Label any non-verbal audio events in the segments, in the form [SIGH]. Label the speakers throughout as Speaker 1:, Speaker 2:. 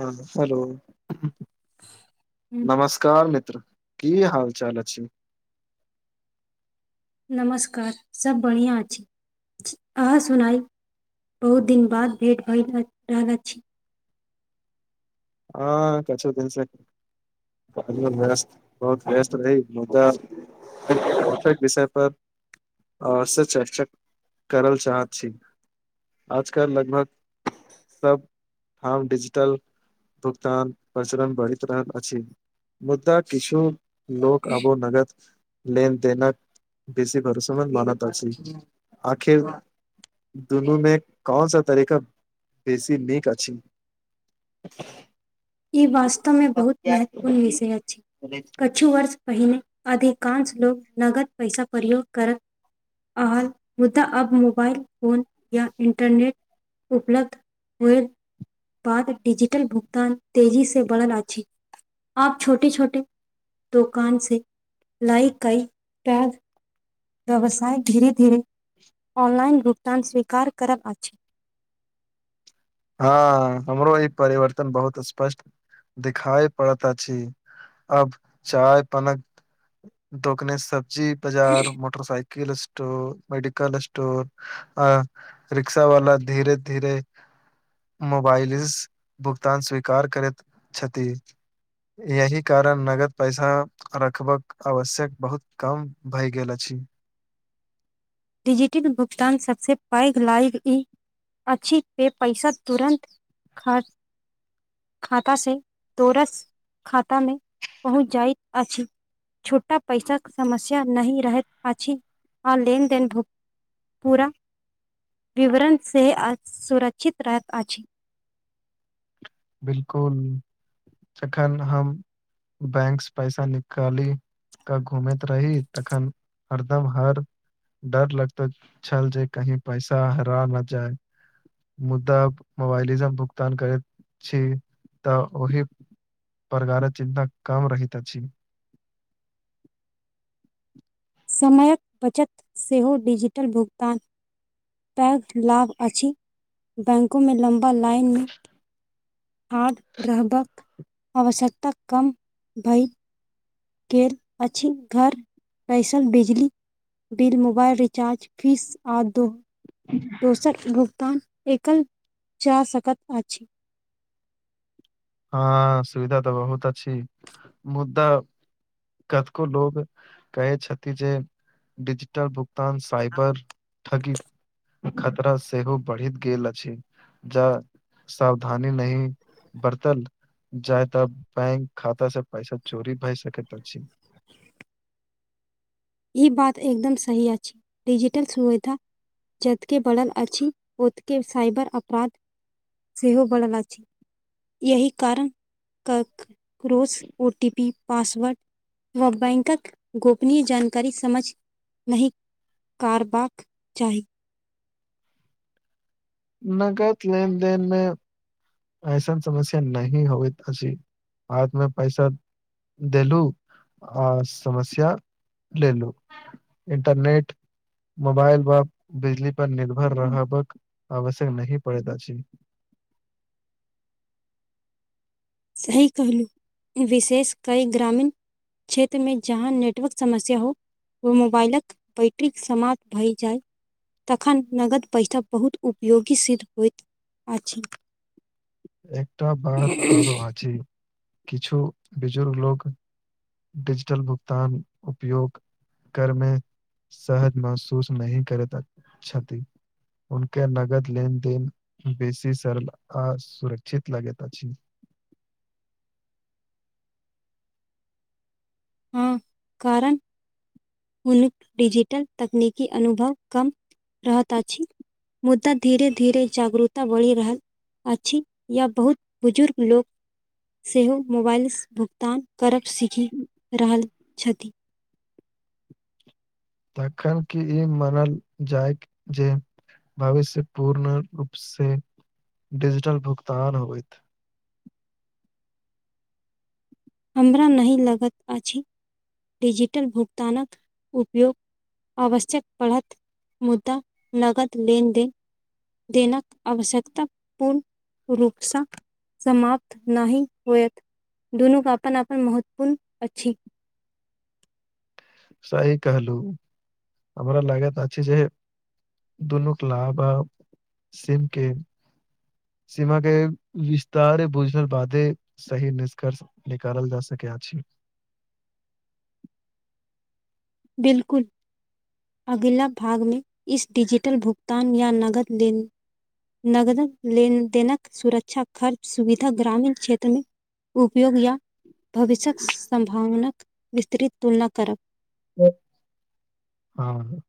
Speaker 1: हँ हेलो
Speaker 2: हम्म,
Speaker 1: नमस् कार मित्र की हाल चाल अछि
Speaker 2: नमस्कार सब बढ़िआँ अछि अहाँ सुनाई बहुत दिन बाद भेँट भय रहल छी
Speaker 1: हाँ कछो दिन स बहुत व्यस्त बहुत व्यस्त रही मुदा फेर [UNINTELLIGIBLE] विषय पर आओर स चर्चा करल चाह छी आजकल लगभग सब आाम डिजिटल भुगतान प्रचरण बढ़ित रहल अछि मुदा किछु लोक आबो नगद लेन देनक बेसी भरोसेमंद मानति अछि आखिर दुनू मे कौन सा तरीका बेसी नेक अछि [INAUDIBLE]
Speaker 2: ई वास्तव मे बहुत महत्वपूर्ण विषय अछि कछु वर्ष पहिने अधिकांश लोक नगद पैसा प्रयोग करत आहाल मुद्दा अब मोबाइल फोन या इंटरनेट उपलब्ध होए बाद डिजिटल भुगतान तेजी से बढ़ल अछि आब छोटी छोटी दोकान से लइ कई टैग व्यवसाय धीरे धीरे ऑनलाइन भुगतान स्वीकार करब अछि
Speaker 1: हं हमरो ई परिवर्तन बहुत स्पष्ट दिखाई पड़त अछि अब चाय पानक दोकने सब्जी बाजार motorcycle store medical store आ रिक्सा वला धीरे धीरे मोबाइलिस भुगतान स्वीकार करति छथि यही कारण नगद पैसा रखबक आवश्यक बहुत कम भए गेल अछि
Speaker 2: डिजिटल भुगतान सबसे पैघ लाइव ई अछि पे पैसा तुरन्त [INAUDIBLE] खर्च खाता से तोरस खाता में पहुँच जाइत अछि छूटा पैसा कऽ समस्या नहीं रहैत अछि आ लेनदेन भू [INAUDIBLE] पूरा [INAUDIBLE] विवरण से आ सुरक्षित रहैत अछि
Speaker 1: बिल्कुल जखन हम बैंक स पैसा निकाली तऽ घूमैत रही तखन हरदम हर डर लगत छल जे कही पैसा हरा न जाय मुद्दा मोबाइलिजम भुगतान करैत छी तऽ ओहि [INAUDIBLE] प्रकारे चिन्ता कम रहित अछि
Speaker 2: समय कऽ बचत सेहो डिजिटल भुगतान पैघ लाभ अछि [INAUDIBLE] बैंको में लम्बा लाइन नै आड रहबक आवश्यकता कम भय गेल अछि घर बैसल बिजली बिल मोबाइल रिचार्ज फीस आर दो दोसक भुगतान एकल जा सकत अछि
Speaker 1: हँ सुविधा तऽ बहुत [INAUDIBLE] अछी मुदा कतको लोग कहे छथि जे डजिटल भुग तन साइपर ठगी [INAUDIBLE] खतरा सेहो बढ़ित गेल अछि जा सावधानी नहीं। तल जाय तब बैंक खाता से पैसा चोरी भए सकेत अछी
Speaker 2: ई बात एकदम सही अछि डिजिटल सुविधा जतके बढ़ल अछि ओतकेँ साइबर अपराध सेहो बढ़ल अछि यही कारण क रोस ओ टी पी पासवर्ड व बैंक कऽ गोपनीय जान। करी समझ नहीं कारबाक चाही।
Speaker 1: नगद लेन देेन में अऐसन समस्या नहीं होइथ अछी हाथ में पैसा। देलू आ समस्या लेलु। इंटरनेट। मोबाइल व बिजली पर निर्भर रहबक आवश्यक नही पड़ेत अछी।
Speaker 2: सही कहलु विशेष कई ग्रामीण। क्षेत्र में जहाँ नेटवर्क समस्या हो। ओ मोबाइलक बैटरीक समाप्त भइ जाए। तखन नगद पैसा बहुत उपयोगी सिद्ध होइत अछि।
Speaker 1: एकटा बात आरो आजी किछु बुजुर्ग लोग। डिजिटल भुगतान उपयोग [INAUDIBLE] करमे। सहज महसूस नहीं करत [INAUDIBLE] छति उनके नगद लेनदेन बेसी सरल अ सुरक्षित लगेत अछी।
Speaker 2: हूँ [INAUDIBLE] कारण। उनुक डिजिटल तकनीकि अनुभव कम रहत अछि। मुद्दा धीरे धीरे जागरूता बढ़ि रहल। अच्छी या बहुत बुजुर्ग लोक। सेहो मोबाइल सँ भुगतान करब सीखी। रहल छथि
Speaker 1: तखन कि ई मानल जायत जे भविष्य पूर्ण रूप से डिजीटल भुगतान होइत
Speaker 2: हमरा नहि लगैत अछि डिजिटल भुगतानक उपयोग आवश्यक पड़त मुद्दा नगद लेनदेन देनत आवश्यकता पूर्ण रूप सँ समाप्त नहि होयत दुनू के आपन आपन महत्वपूर्ण अछि
Speaker 1: सही कहलु हमरा लागैत अछी जे दुनू के लाभ आ सिम के सीमा के विस्तारे बुझल बादे सही निष्कर्ष निकालल जा सके आछी
Speaker 2: बिल्कुल अगिला भाग मे इस डिजिटल भुगतान या नगद लेन नगदक लेन देनक सुरक्षा खर्च सुविधा ग्रामीण क्षेत्र मे उपयोग या भविष्य्यक सम्भावनाक विस्तृत तुलना करब
Speaker 1: [INAUDIBLE] हँ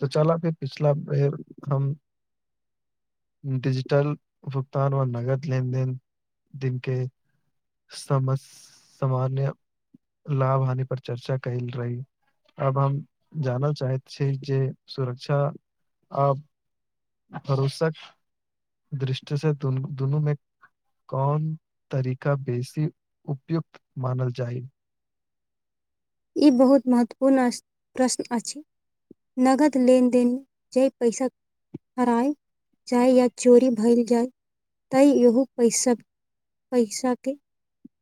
Speaker 1: तऽ चल फिर पिछला बेर हम डिजीटल भुगतान व नगद लेन देन दिन के समस सामान्य लाभ हानि पर चर्चा कइल रही अब हम जानल चाहत छी फिर जे सुरक्षा आ भरोसक दृष्टि से दुनूमे कौन तरीका बेसी उपयुक्त मानल जायत
Speaker 2: ई बहुत महत्वपूर्ण अस प्रश्न अछि नगद लेनदेन जे पैसक हराय जाय या चोरी भइल जाय ता इहो पैसा पैसा के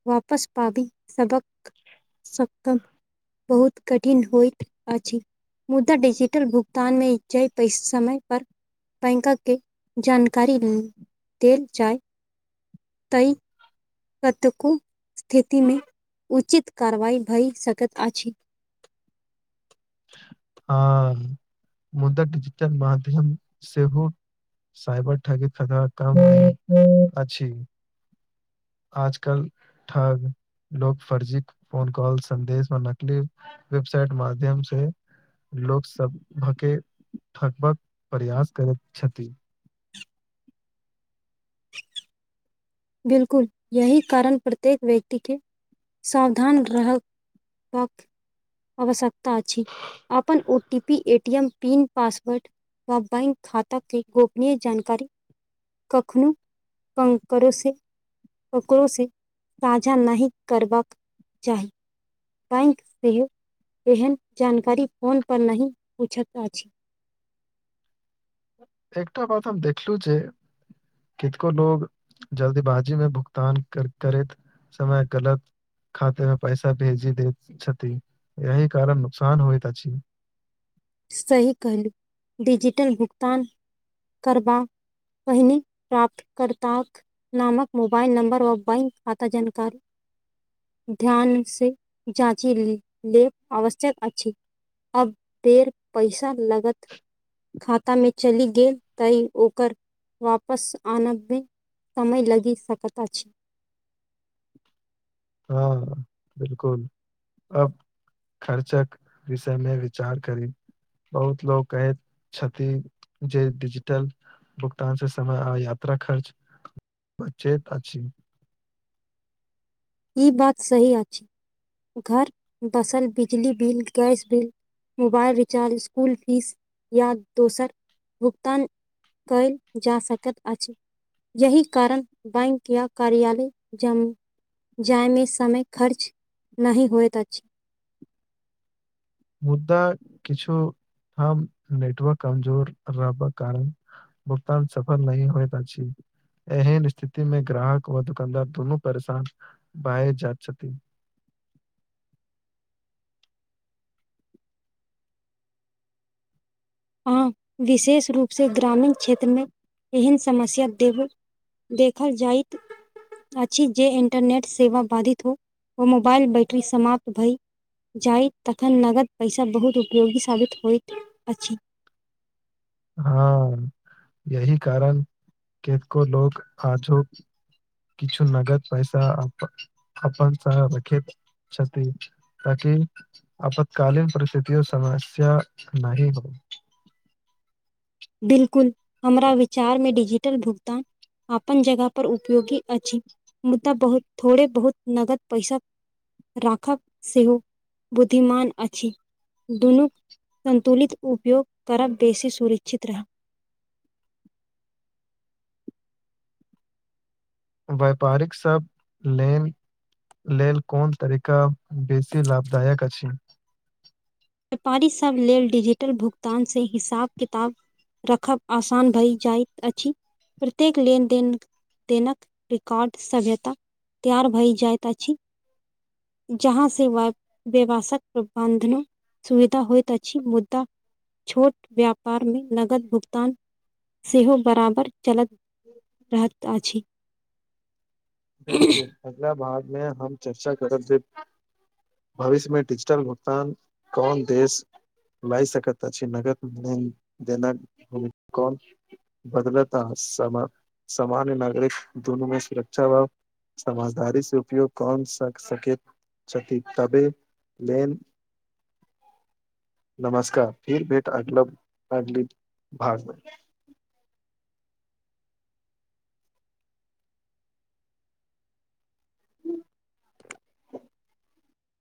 Speaker 2: वापस पाबी सबक सकम बहुत कठिन होइत अछि मुद्दा डिजीटल भुगतान मे जय प समय पर बैंकक के जानकारी देल जाय तैं इ कतेको स्थितिमे उचित कार्रवाई भए सकैत अछि
Speaker 1: हँ मुदा डिजिटल माध्यम सेहो साइबर ठगि खा [INAUDIBLE] काम अछि आजकल ठग लोक फर्जी फोन कॉल संदेश मे नकली वेबसाइट माध्यम से लोक सभ भके ठकबक प्रयास करैत छथि
Speaker 2: बिल्कुल यही कारण प्रत्येक व्यक्तिकें सावधान रहक वाक आवश्यकता अछि अपन O T P A T M pin password व बैंक खाता के गोपनीय जानकारी कखनो अनकरोसँ ककरो से साझा नहि करबाक चाही बैंक से एहन जानकारी फोन पर नहि पूछैत अछि
Speaker 1: एकटा बात हम देखलहु जे केतको लोग जल्दबाजी मे भुगतान कर करैत समय गलत खाते मे पैसा भेजी देत छथि यही कारण नुकसान होइत अछि।
Speaker 2: सही कहलू डिजिटल भुगतान करबा। पहिनी प्राप्त कर्ताक। नामक मोबाइल नंबर बैंक खाता जनकर ध्यानसँ जाचि ले लेब आवश्यक अछि। अब बेर पैसा लगत। खातामे चलि गेल तै ओकर वापस आनबमे समय लगि सकैत अछि
Speaker 1: हँ बिल्कूल अब खर्च कऽ विषयमे विचार करी बहुत लोक कहैत छथि जे डिजिटल। भुगतान सँ समय आ यात्रा खर्च बचैत अछि।
Speaker 2: ई बात सही अछि घर बसल बिजली बिल गैस बि मोबाइल रिचार्ज स्कूल फीस या दोसर भुगतान। कएल जा सकैत अछि यही कारण बैक या कार्यालय जम जाय मे समय खर्च नै होयत अछि।
Speaker 1: मुद्दा किछु हम नेटवर्क कमजोर रहबक कारण। भुगतान सफल नहि होइत अछि एहन स्थिति मे ग्राहक दुकानदार दुनू परेशान भाए जात छथि।
Speaker 2: अहाँ विशेष रूपसँ ग्रामीण क्षेत्र मे एहन समस्या देबै देखल जाइत। अछिजे इंटरनेट सेवा बाधित हो ओ मोबाइल बैटरी समाप्त भाई जाइ तखन नगद पैसा बहुत उपयोगी साबित होइत अछि
Speaker 1: ह यही कारण केतको लोक आजो किछु नगद पैसा अपन अपन साथ रखेत। [UNINTELLIGIBLE] अपतकालीन परिस्थितिओ समस्या नहि ह
Speaker 2: बिल्कुल हमरा विचारमे डिजिटल भुगतान। अपन जगह पर उपयोगी अछि मुदा बहुत थोड़े बहुत नगद पैसा। राखब सेहो बुद्धिमान अछि दुनूक संतुलित उपयोग करब बेसी सुरिक्षित रहब
Speaker 1: वैपारिक सभ लेन लेलऽ कोन तरीका बेसी लाभदायक अछि।
Speaker 2: व्यापारीसभ लेलऽ डिजिटल भुगतान से हिसाब किताब। रखब आसान भए जाइत अछि प्रत्येक लेनदेन। देनक रिकॉर्ड सभ्यता तैयार भऽ जाइत अछि। जहा से व्यवशक प्रबन्धना। सुविधा होइत अछि मुदा छोट व्यापार मे नगद भुगतान। सेहो बराबर चलत रहत अछि
Speaker 1: बिल्कुल अगला बादमे हम चर्चा करब जे। भविष्य मे डिजिटल भुगतान कौन देश। लइ सकत अछि नगद मे। बदलता, समान सामान्य नागरिक दुनू में सुरक्षा वा समझदारी से उपयोग कोन सक सकेंत छथि तबे लेन नमस्कार फिर भेट अग लब [INAUDIBLE] भाग।